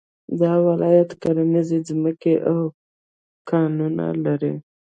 دا ولایت کرنيزې ځمکې او کانونه لري